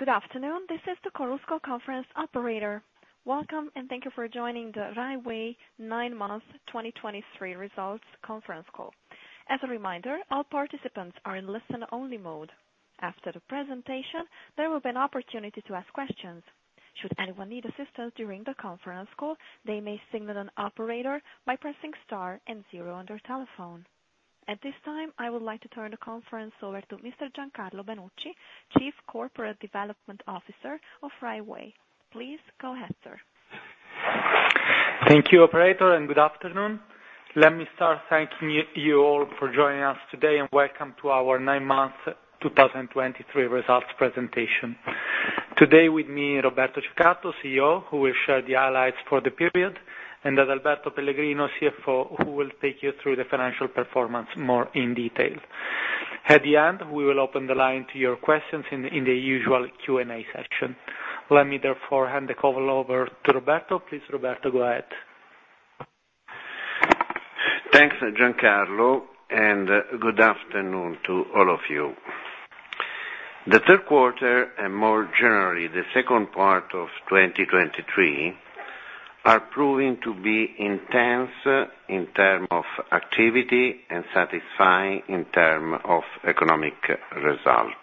Good afternoon, this is the Chorus Call Conference operator. Welcome, and thank you for joining the Rai Way nine months 2023 results conference call. As a reminder, all participants are in listen only mode. After the presentation, there will be an opportunity to ask questions. Should anyone need assistance during the conference call, they may signal an operator by pressing star and zero on their telephone. At this time, I would like to turn the conference over to Mr. Giancarlo Benucci, Chief Corporate Development Officer of Rai Way. Please go ahead, sir. Thank you, operator, and good afternoon. Let me start thanking you all for joining us today, and welcome to our nine months 2023 results presentation. Today with me, Roberto Cecatto, CEO, who will share the highlights for the period, and Adalberto Pellegrino, CFO, who will take you through the financial performance more in detail. At the end, we will open the line to your questions in the usual Q&A session. Let me therefore hand the call over to Roberto. Please, Roberto, go ahead. Thanks, Giancarlo, and good afternoon to all of you. The third quarter, and more generally, the second part of 2023, are proving to be intense in terms of activity and satisfying in terms of economic result.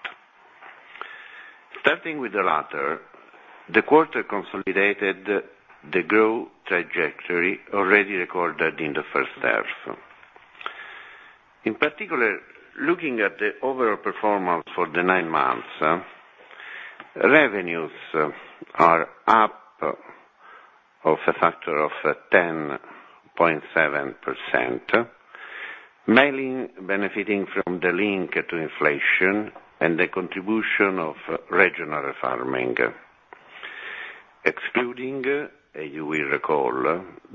Starting with the latter, the quarter consolidated the growth trajectory already recorded in the first half. In particular, looking at the overall performance for the nine months, revenues are up by a factor of 10.7%, mainly benefiting from the link to inflation and the contribution of regional refarming. Excluding, as you will recall,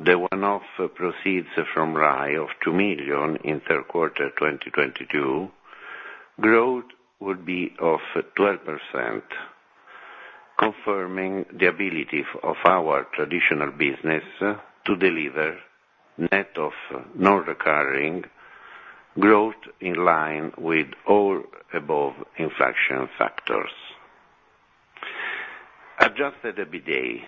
the one-off proceeds from Rai of 2 million in third quarter 2022, growth would be 12%, confirming the ability of our traditional business to deliver net of non-recurring growth in line with or above inflation factors. Adjusted EBITDA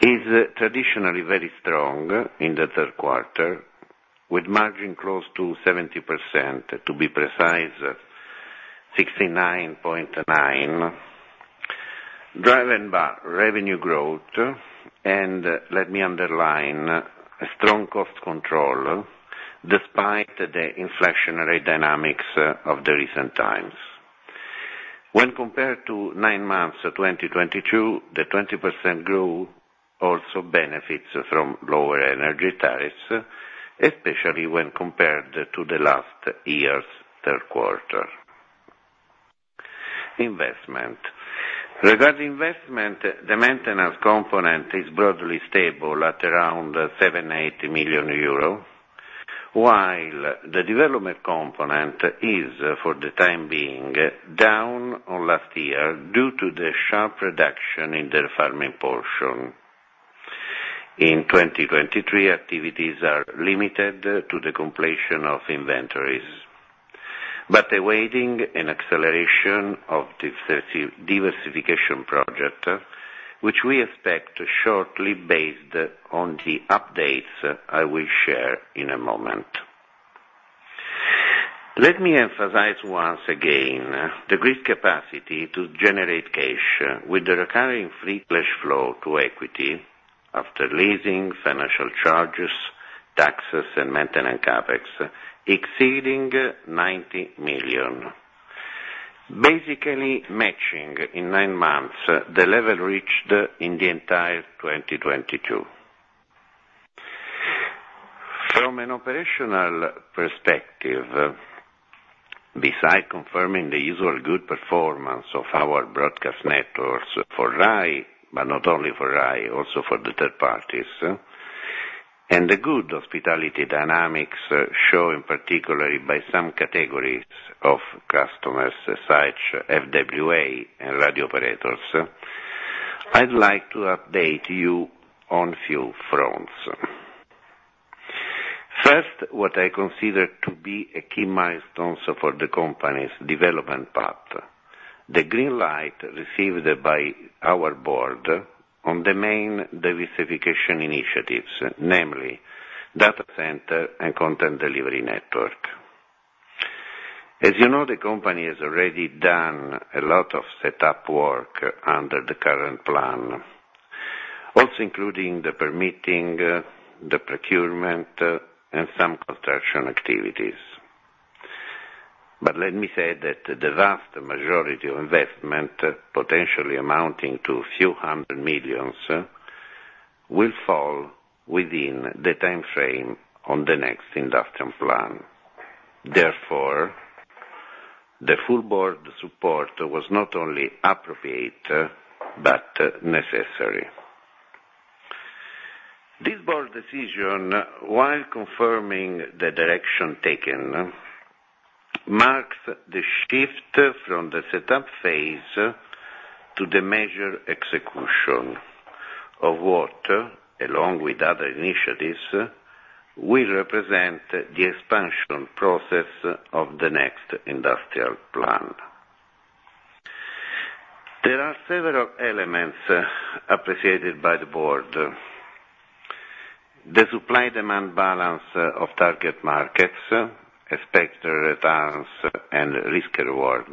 is traditionally very strong in the third quarter, with margin close to 70%, to be precise, 69.9%, driven by revenue growth, and let me underline, a strong cost control despite the inflationary dynamics of the recent times. When compared to nine months of 2022, the 20% growth also benefits from lower energy tariffs, especially when compared to the last year's third quarter. Investment. Regarding investment, the maintenance component is broadly stable at around 780 million euro, while the development component is, for the time being, down on last year due to the sharp reduction in the refarming portion. In 2023, activities are limited to the completion of inventories, but awaiting an acceleration of the diversification project, which we expect shortly based on the updates I will share in a moment. Let me emphasize once again, the great capacity to generate cash with the recurring free cash flow to equity after leasing, financial charges, taxes and maintenance CapEx exceeding 90 million. Basically matching in nine months, the level reached in the entire 2022. From an operational perspective, beside confirming the usual good performance of our broadcast networks for RAI, but not only for RAI, also for the third parties, and the good hospitality dynamics shown, particularly by some categories of customers, such FWA and radio operators, I'd like to update you on a few fronts. First, what I consider to be a key milestone for the company's development path, the green light received by our board on the main diversification initiatives, namely data center and content delivery network. As you know, the company has already done a lot of set up work under the current plan, also including the permitting, the procurement, and some construction activities. But let me say that the vast majority of investment, potentially amounting to a few hundred million EUR, will fall within the time frame on the next industrial plan. Therefore, the full board support was not only appropriate, but necessary. This board decision, while confirming the direction taken, marks the shift from the set-up phase to the major execution of what, along with other initiatives, will represent the expansion process of the next industrial plan. There are several elements appreciated by the board. The supply-demand balance of target markets, expected returns and risk reward,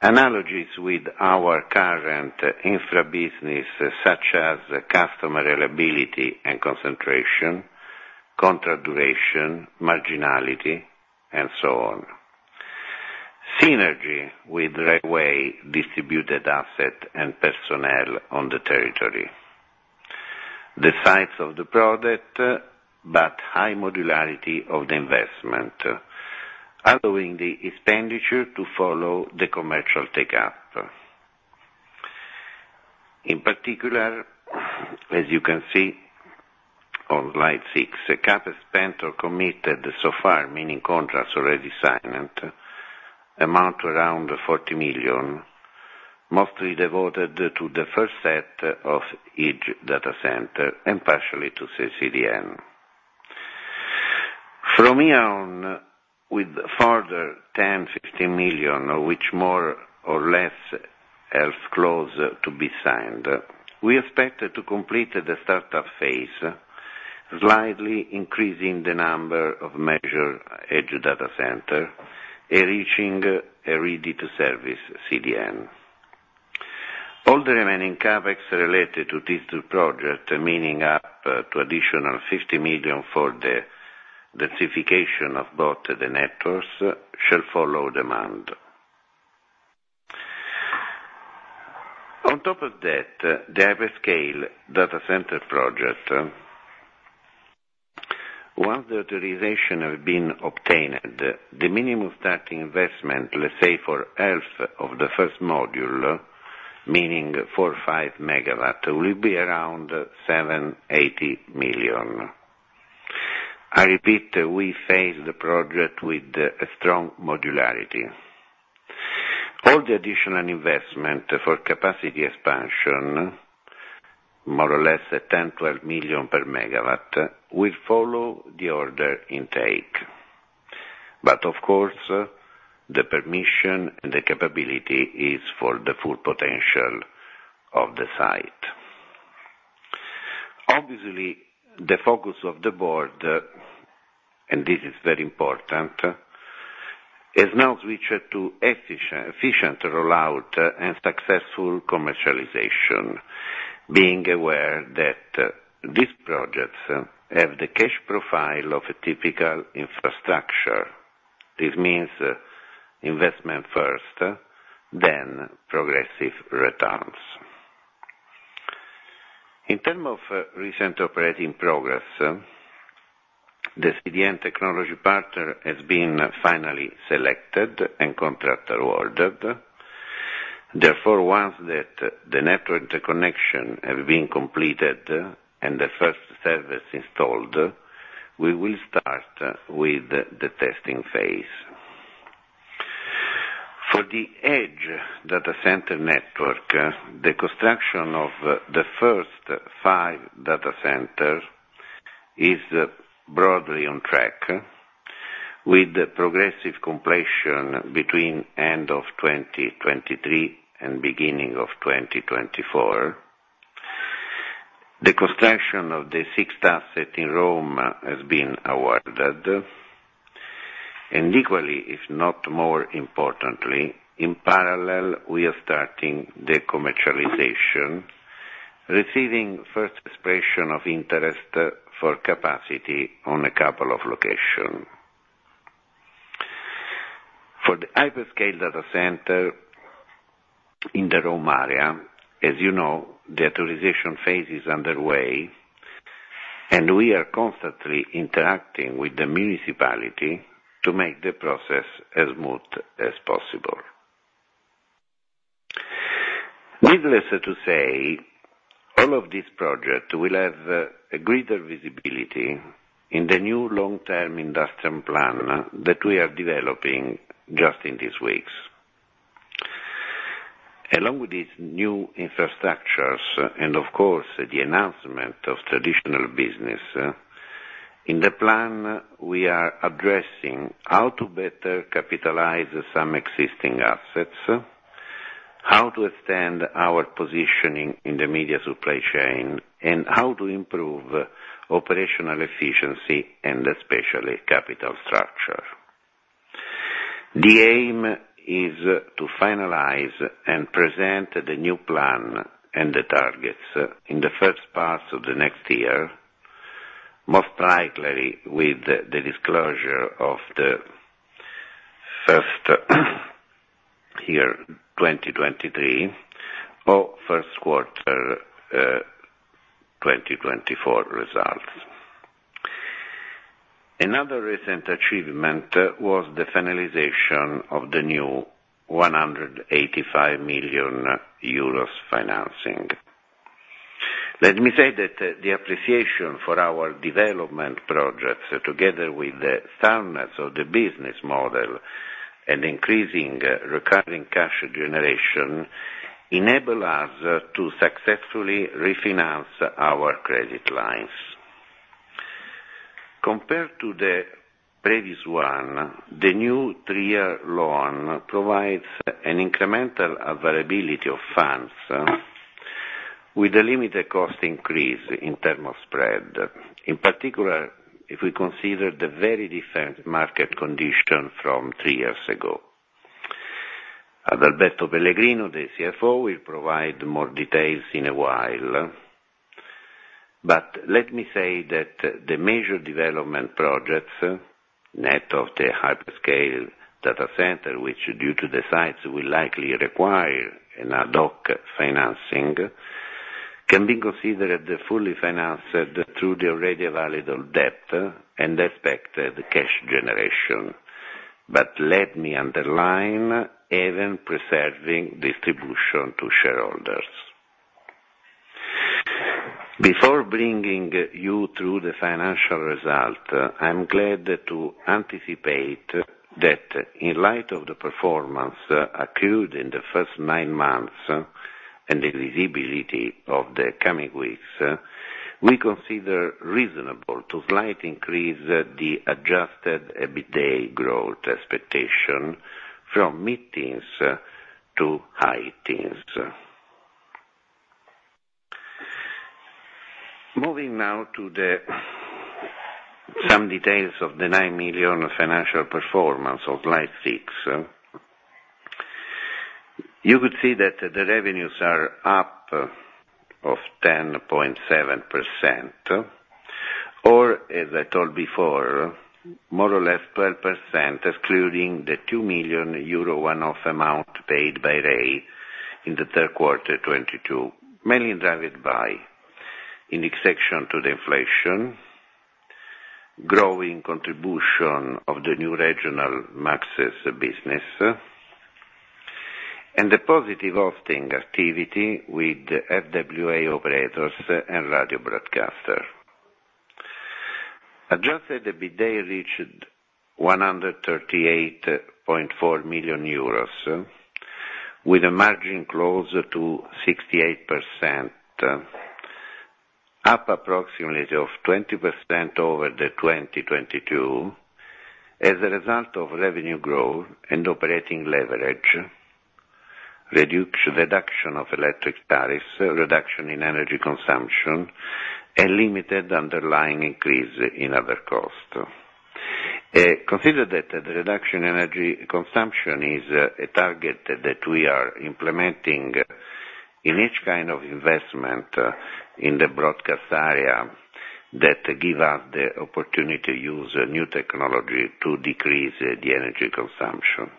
analogies with our current infra business, such as customer reliability and concentration, contract duration, marginality, and so on. Synergy with Rai Way distributed asset and personnel on the territory. The size of the product, but high modularity of the investment, allowing the expenditure to follow the commercial take-up. In particular, as you can see on slide six, the CapEx spent or committed so far, meaning contracts already signed, amount to around 40 million, mostly devoted to the first set of each data center and partially to the CDN. From here on, with further 10 million-15 million, which more or less is close to be signed, we expect to complete the start-up phase, slightly increasing the number of measured edge data center and reaching a ready-to-service CDN. All the remaining CapEx related to this project, meaning up to additional 50 million for the densification of both the networks, shall follow demand. On top of that, the hyperscale data center project, once the authorization has been obtained, the minimum starting investment, let's say, for half of the first module, meaning 4-5 MW, will be around 780 million. I repeat, we face the project with a strong modularity. All the additional investment for capacity expansion, more or less 10 million-12 million per MW, will follow the order intake. But of course, the permission and the capability is for the full potential of the site. Obviously, the focus of the board, and this is very important, has now switched to efficient rollout and successful commercialization, being aware that these projects have the cash profile of a typical infrastructure. This means investment first, then progressive returns. In terms of recent operating progress, the CDN technology partner has been finally selected and contract awarded. Therefore, once that the network connection has been completed and the first service installed, we will start with the testing phase. For the edge data center network, the construction of the first five data centers is broadly on track, with progressive completion between end of 2023 and beginning of 2024. The construction of the sixth asset in Rome has been awarded, and equally, if not more importantly, in parallel, we are starting the commercialization, receiving first expression of interest for capacity on a couple of locations. For the hyperscale data center in the Rome area, as you know, the authorization phase is underway, and we are constantly interacting with the municipality to make the process as smooth as possible. Needless to say, all of this project will have a greater visibility in the new long-term industrial plan that we are developing just in these weeks. Along with these new infrastructures, and of course, the enhancement of traditional business, in the plan, we are addressing how to better capitalize some existing assets, how to extend our positioning in the media supply chain, and how to improve operational efficiency and especially capital structure. The aim is to finalize and present the new plan and the targets in the first part of the next year, most likely with the disclosure of the first year, 2023, or first quarter, 2024 results. Another recent achievement was the finalization of the new 185 million euros financing. Let me say that the appreciation for our development projects, together with the soundness of the business model and increasing recurring cash generation, enable us to successfully refinance our credit lines. Compared to the previous one, the new three-year loan provides an incremental availability of funds with a limited cost increase in terms of spread, in particular, if we consider the very different market condition from three years ago. Adalberto Pellegrino, the CFO, will provide more details in a while. But let me say that the major development projects, net of the hyperscale data center, which, due to the sites, will likely require an ad hoc financing, can be considered fully financed through the already available debt and expected cash generation. But let me underline, even preserving distribution to shareholders. Before bringing you through the financial result, I'm glad to anticipate that in light of the performance occurred in the first nine months, and the visibility of the coming weeks, we consider reasonable to slight increase the adjusted EBITDA growth expectation from mid-teens to high teens. Moving now to the some details of the nine-month financial performance of Rai Way. You could see that the revenues are up 10.7%, or as I told before, more or less 12%, excluding the 2 million euro one-off amount paid by RAI in the third quarter, 2022, mainly driven by indexation to the inflation, growing contribution of the new regional MUXes business, and the positive hosting activity with the FWA operators and radio broadcaster. Adjusted EBITDA reached 138.4 million euros, with a margin closer to 68%, up approximately 20% over 2022, as a result of revenue growth and operating leverage, reduction of electric tariffs, reduction in energy consumption, and limited underlying increase in other costs. Consider that the reduction in energy consumption is a target that we are implementing in each kind of investment in the broadcast area, that give us the opportunity to use new technology to decrease the energy consumption.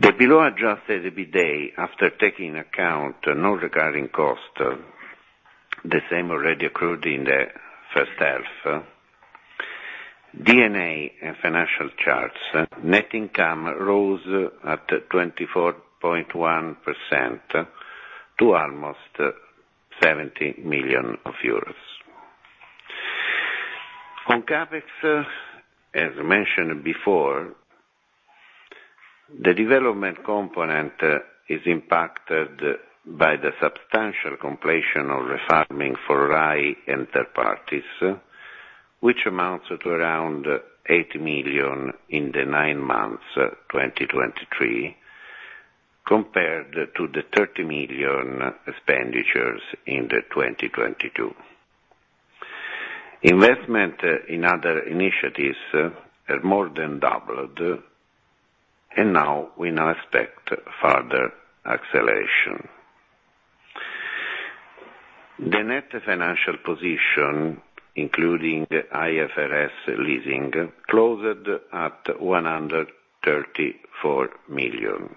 The below Adjusted EBITDA, after taking account non-recurring costs, the same already occurred in the first half, D&A and financial charges, net income rose at 24.1% to almost EUR 70 million. On CapEx, as mentioned before, the development component is impacted by the substantial completion of refarming for RAI and third parties, which amounts to around 8 million in the nine months 2023, compared to the 30 million expenditures in the 2022. Investment in other initiatives have more than doubled, and now we now expect further acceleration. The net financial position, including IFRS leasing, closed at 134 million.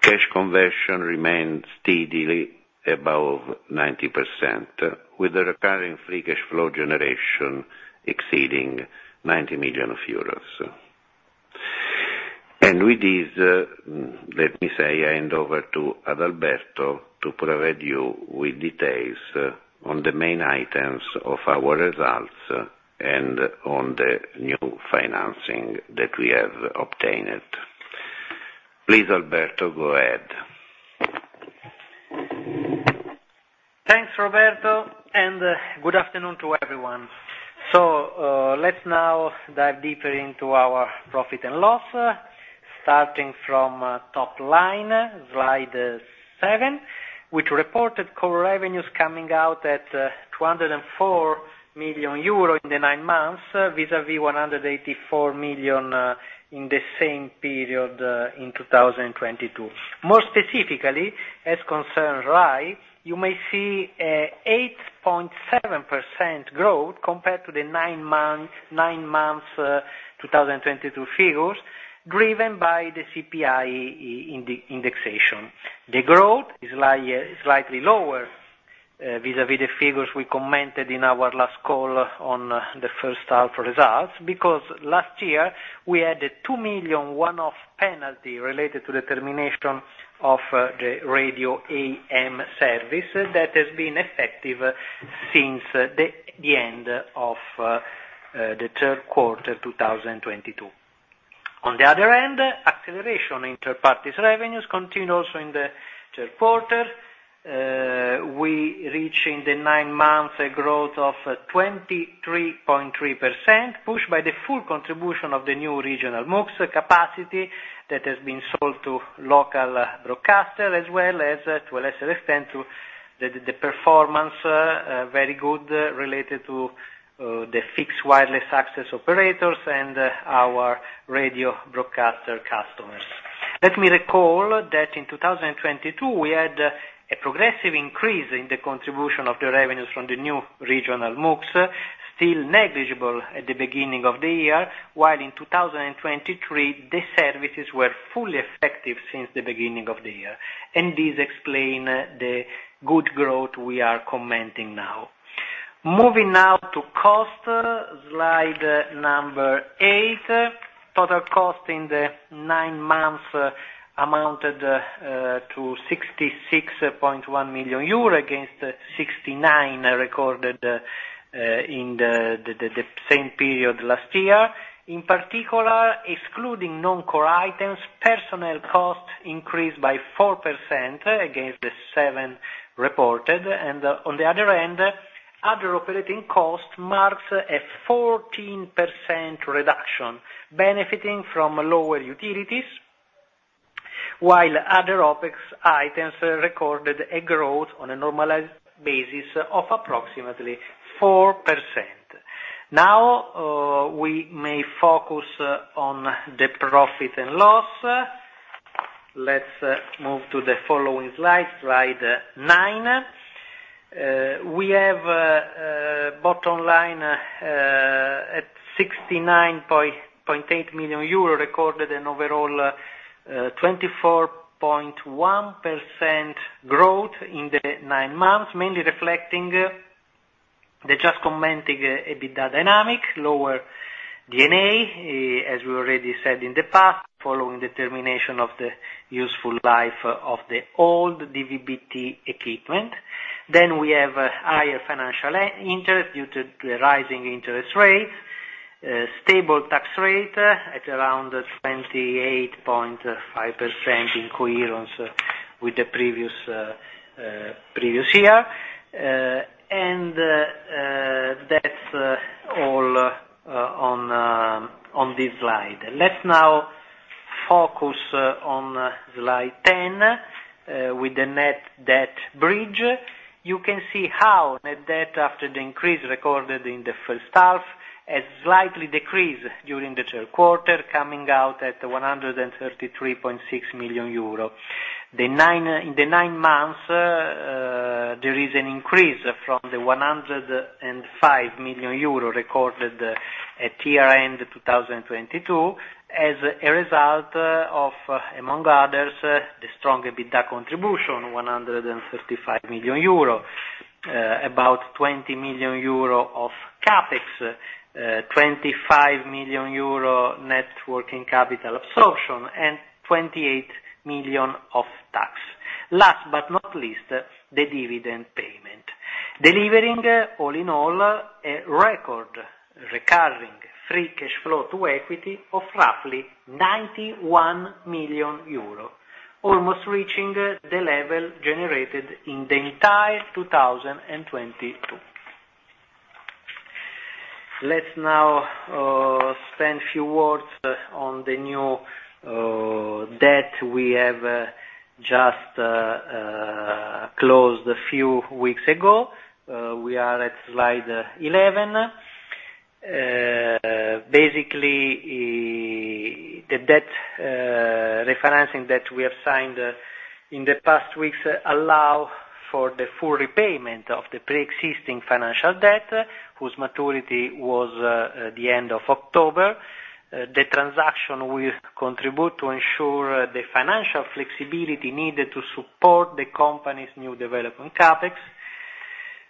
Cash conversion remains steadily above 90%, with the recurring free cash flow generation exceeding 90 million euros. With this, let me say, I hand over to Adalberto to provide you with details on the main items of our results and on the new financing that we have obtained. Please, Alberto, go ahead. Thanks, Roberto, and good afternoon to everyone. So, let's now dive deeper into our profit and loss, starting from top line, slide seven, which reported core revenues coming out at 204 million euro in the nine months, vis-a-vis 184 million in the same period in 2022. More specifically, as concern RAI, you may see an 8.7% growth compared to the nine month, nine months 2022 figures, driven by the CPI indexation. The growth is slightly lower-... vis-à-vis the figures we commented in our last call on the first half results, because last year, we had a 2 million one-off penalty related to the termination of the radio AM service that has been effective since the end of the third quarter 2022. On the other hand, acceleration in third-party revenues continued also in the third quarter. We reach in the nine months a growth of 23.3%, pushed by the full contribution of the new regional MUX capacity that has been sold to local broadcaster, as well as to a lesser extent, to the performance very good related to the fixed wireless access operators and our radio broadcaster customers. Let me recall that in 2022, we had a progressive increase in the contribution of the revenues from the new regional MUX, still negligible at the beginning of the year, while in 2023, the services were fully effective since the beginning of the year, and this explain the good growth we are commenting now. Moving now to cost, slide eight. Total cost in the nine months amounted to 66.1 million euro, against 69 million recorded in the same period last year. In particular, excluding non-core items, personnel costs increased by 4% against the 7% reported, and on the other hand, other operating costs marks a 14% reduction, benefiting from lower utilities, while other OpEx items recorded a growth on a normalized basis of approximately 4%. Now, we may focus on the profit and loss. Let's move to the following slide, slide nine. We have bottom line at 69.8 million euro, recorded an overall 24.1% growth in the nine months, mainly reflecting the just commenting EBITDA dynamic, lower D&A, as we already said in the past, following the termination of the useful life of the old DVB-T equipment. Then we have a higher financial interest due to the rising interest rates, a stable tax rate at around 28.5% in coherence with the previous year. And that's all on this slide. Let's now focus on slide 10 with the net debt bridge. You can see how net debt, after the increase recorded in the first half, has slightly decreased during the third quarter, coming out at 133.6 million euro. In the nine months, there is an increase from the 105 million euro recorded at year end 2022, as a result of, among others, the strong EBITDA contribution, 135 million euro, about 20 million euro of CapEx, 25 million euro net working capital absorption, and 28 million of tax. Last but not least, the dividend payment. Delivering, all in all, a record recurring free cash flow to equity of roughly 91 million euro, almost reaching the level generated in the entire 2022. Let's now spend a few words on the new debt we have just closed a few weeks ago. We are at slide 11. Basically, the debt refinancing that we have signed in the past weeks allow for the full repayment of the pre-existing financial debt, whose maturity was the end of October. The transaction will contribute to ensure the financial flexibility needed to support the company's new development CapEx.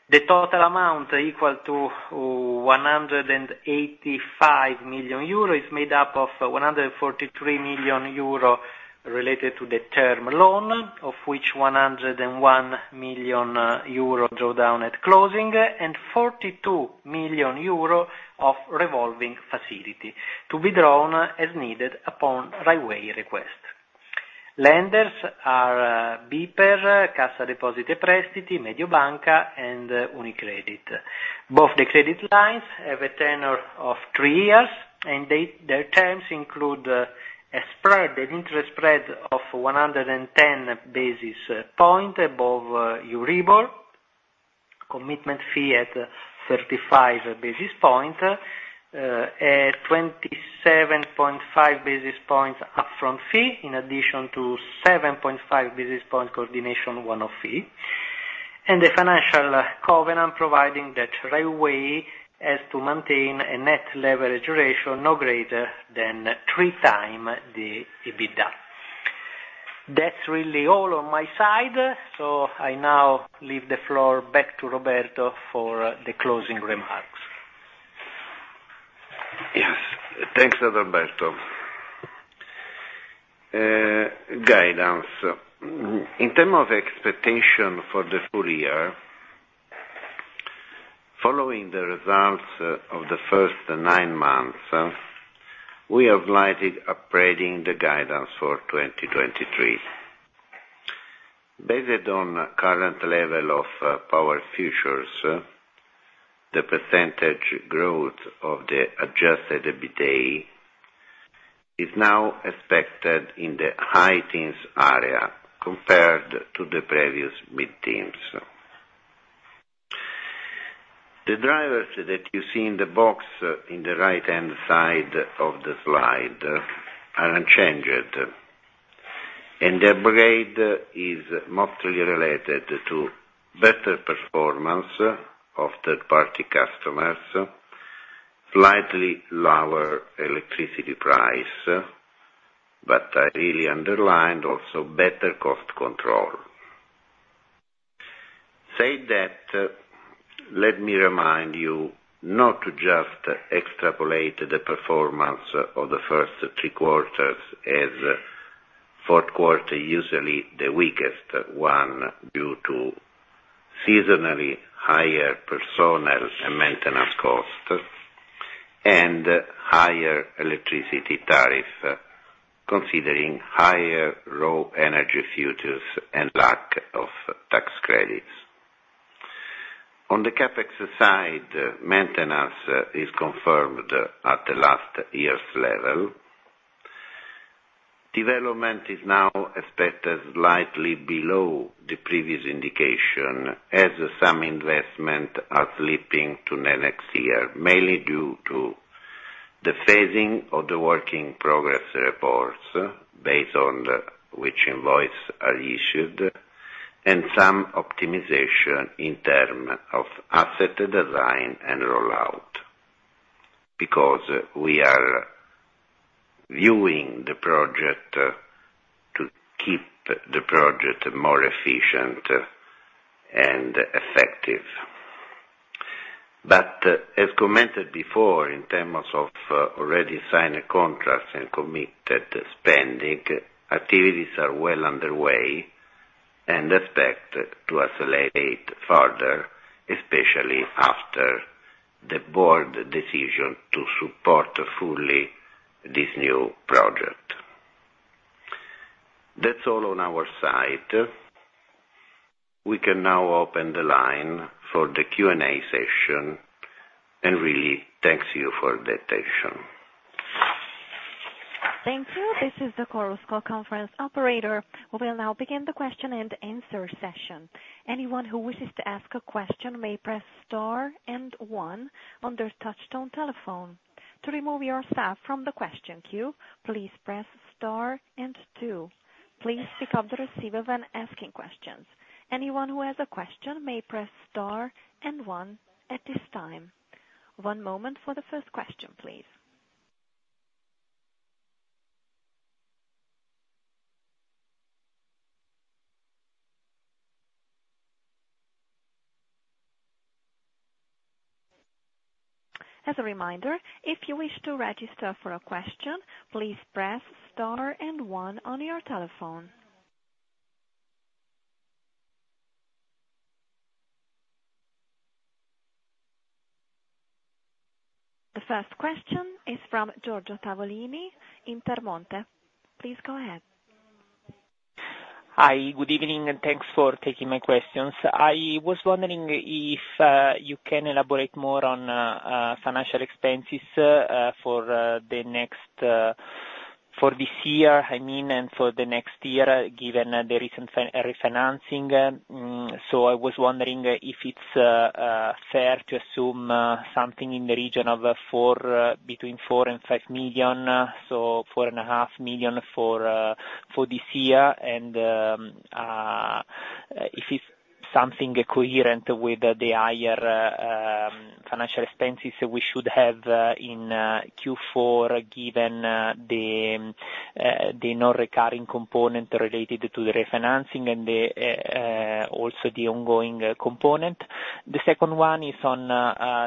The total amount, equal to 185 million euro, is made up of 143 million euro related to the term loan, of which 101 million euro draw down at closing, and 42 million euro of revolving facility to be drawn as needed upon Rai Way request. Lenders are BPER, Cassa Depositi e Prestiti, Mediobanca, and UniCredit. Both the credit lines have a tenure of three years, and they, their terms include a spread, an interest spread of 110 basis points above Euribor, commitment fee at 35 basis points, a 27.5 basis points upfront fee, in addition to 7.5 basis points coordination one-off fee, and the financial covenant, providing that Rai Way has to maintain a Net Leverage Ratio no greater than 3x the EBITDA.... That's really all on my side, so I now leave the floor back to Roberto for the closing remarks. Yes, thanks, Adalberto. Guidance. In terms of expectations for the full year, following the results of the first nine months, we have slightly upgrading the guidance for 2023. Based on current level of power futures, the percentage growth of the Adjusted EBITDA is now expected in the high teens area compared to the previous mid-teens. The drivers that you see in the box in the right-hand side of the slide are unchanged, and the upgrade is mostly related to better performance of third-party customers, slightly lower electricity price, but I really underlined also better cost control. That said, let me remind you not to just extrapolate the performance of the first three quarters, as fourth quarter usually the weakest one due to seasonally higher personnel and maintenance costs and higher electricity tariff, considering higher raw energy futures and lack of tax credits. On the CapEx side, maintenance is confirmed at the last year's level. Development is now expected slightly below the previous indication, as some investments are slipping to the next year, mainly due to the phasing of the working progress reports based on which invoices are issued, and some optimization in terms of asset design and rollout, because we are viewing the project to keep the project more efficient and effective. But as commented before, in terms of already signed contracts and committed spending, activities are well underway and expect to accelerate further, especially after the board decision to support fully this new project. That's all on our side. We can now open the line for the Q&A session, and really, thank you for the attention. Thank you. This is the Chorus Call conference operator. We will now begin the question and answer session. Anyone who wishes to ask a question may press star and one on their touchtone telephone. To remove yourself from the question queue, please press star and two. Please pick up the receiver when asking questions. Anyone who has a question may press star and one at this time. One moment for the first question, please. As a reminder, if you wish to register for a question, please press star and one on your telephone. The first question is from Giorgio Tavolini, Intermonte. Please go ahead. Hi, good evening, and thanks for taking my questions. I was wondering if you can elaborate more on financial expenses for the next, for this year, I mean, and for the next year, given the recent refinancing. So I was wondering if it's fair to assume something in the region of four, between 4 million and 5 million, so 4.5 million for this year, and if it's something coherent with the higher financial expenses we should have in Q4, given the non-recurring component related to the refinancing and also the ongoing component. The second one is on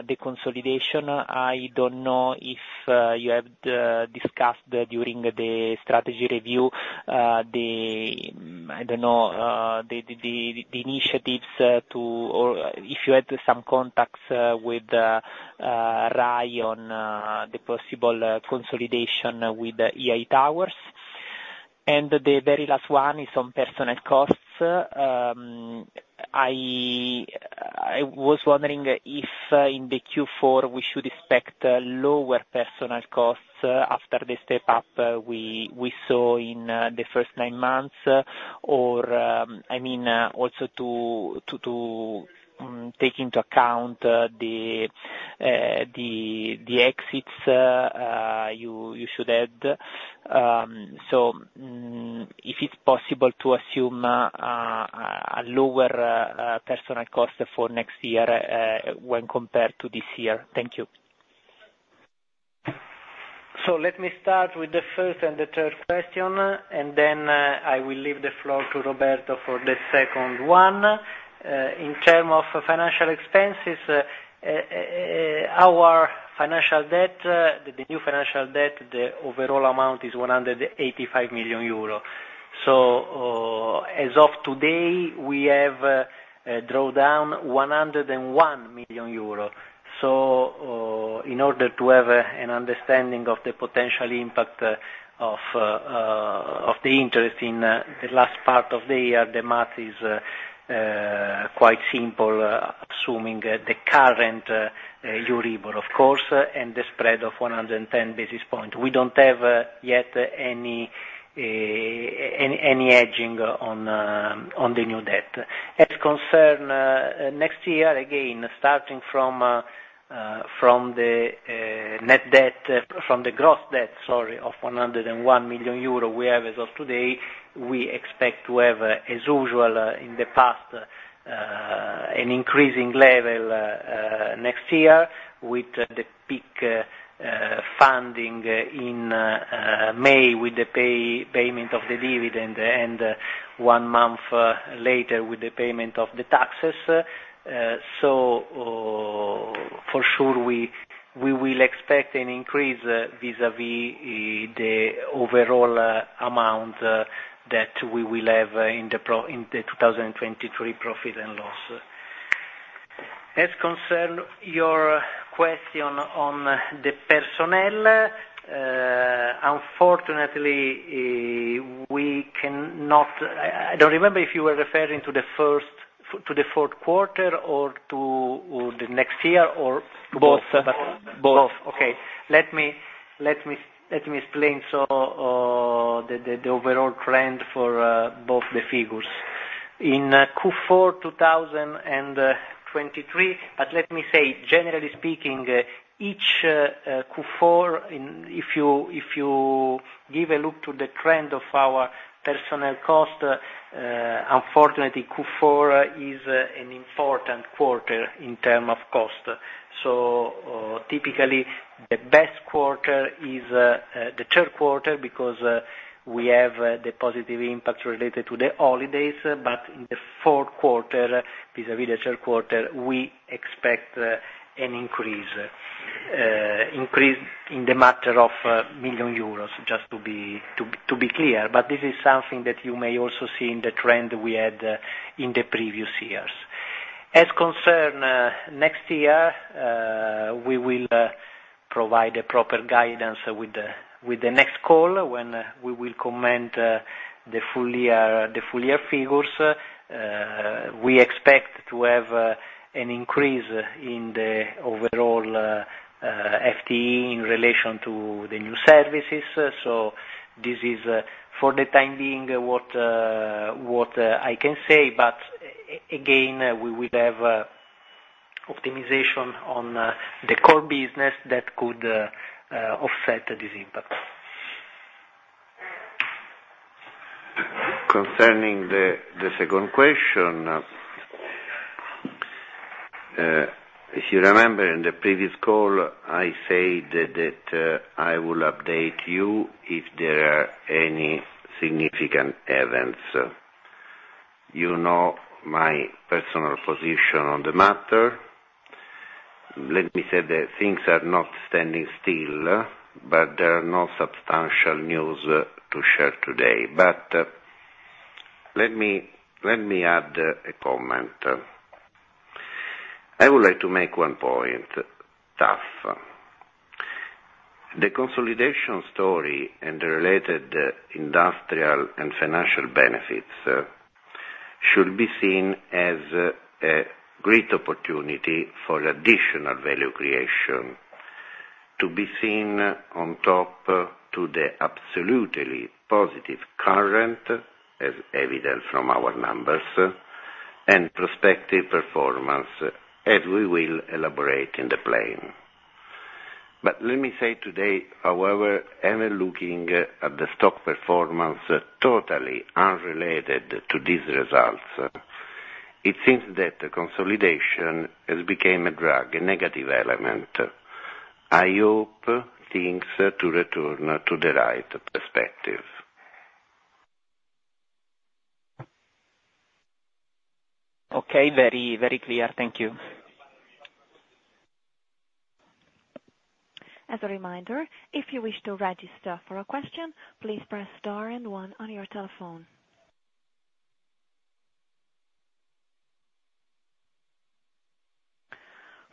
the consolidation. I don't know if you have discussed during the strategy review the... I don't know the initiatives, or if you had some contacts with RAI on the possible consolidation with EI Towers. The very last one is on personnel costs. I was wondering if, in Q4, we should expect lower personnel costs after the step up we saw in the first nine months, or, I mean, also to take into account the exits you should add. So, if it's possible to assume a lower personnel cost for next year when compared to this year. Thank you.... So let me start with the first and the third question, and then, I will leave the floor to Roberto for the second one. In terms of financial expenses, our financial debt, the new financial debt, the overall amount is 185 million euro. So, as of today, we have drawn down 101 million euro. So, in order to have an understanding of the potential impact of the interest in the last part of the year, the math is quite simple, assuming the current Euribor, of course, and the spread of 110 basis points. We don't have yet any hedging on the new debt. As concerns next year, again, starting from the net debt, from the gross debt, sorry, of 101 million euro, we have as of today, we expect to have, as usual, in the past, an increasing level next year with the peak funding in May, with the payment of the dividend and one month later with the payment of the taxes. So, for sure, we will expect an increase vis-a-vis the overall amount that we will have in the 2023 profit and loss. As concerns your question on the personnel, unfortunately, we cannot... I don't remember if you were referring to the fourth quarter or the next year, or to both? Both. Both. Okay. Let me explain, so, the overall trend for both the figures. In Q4 2023, but let me say, generally speaking, each Q4, if you give a look to the trend of our personnel cost, unfortunately, Q4 is an important quarter in terms of cost. So, typically, the best quarter is the third quarter, because we have the positive impact related to the holidays, but in the fourth quarter, vis-à-vis the third quarter, we expect an increase. Increase in the matter of 1 million euros, just to be clear, but this is something that you may also see in the trend we had in the previous years. As concerns next year, we will provide a proper guidance with the next call, when we will comment the full year figures. We expect to have an increase in the overall FTE in relation to the new services. So this is for the time being what I can say, but again, we will have optimization on the core business that could offset this impact. Concerning the second question, if you remember, in the previous call, I said that I will update you if there are any significant events. You know my personal position on the matter. Let me say that things are not standing still, but there are no substantial news to share today. But let me add a comment. I would like to make one point though. The consolidation story and the related industrial and financial benefits should be seen as a great opportunity for additional value creation to be seen on top of the absolutely positive current, as evident from our numbers, and prospective performance, as we will elaborate in the plan. But let me say today, however, even looking at the stock performance, totally unrelated to these results, it seems that the consolidation has become a drag, a negative element. I hope things to return to the right perspective. Okay. Very, very clear. Thank you. As a reminder, if you wish to register for a question, please press star and one on your telephone.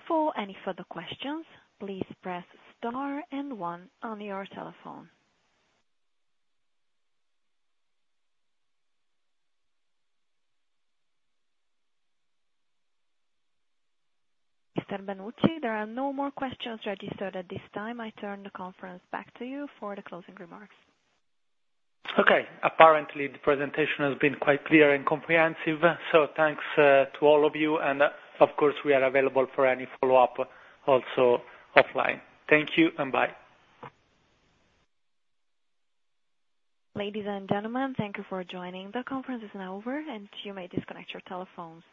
For any further questions, please press star and one on your telephone. Mr. Benucci, there are no more questions registered at this time. I turn the conference back to you for the closing remarks. Okay. Apparently, the presentation has been quite clear and comprehensive, so thanks, to all of you, and of course, we are available for any follow-up, also offline. Thank you, and bye. Ladies and gentlemen, thank you for joining. The conference is now over, and you may disconnect your telephones.